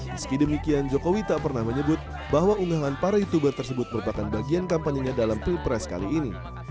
meski demikian jokowi tak pernah menyebut bahwa unggahan para youtuber tersebut merupakan bagian kampanyenya dalam pilpres kali ini